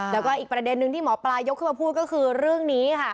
แล้วก็อีกประเด็นนึงที่หมอปลายกขึ้นมาพูดก็คือเรื่องนี้ค่ะ